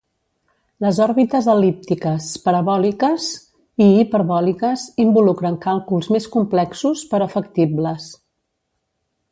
Les òrbites el·líptiques, parabòliques i hiperbòliques involucren càlculs més complexos però factibles.